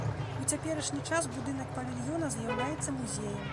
У цяперашні час будынак павільёна з'яўляецца музеем.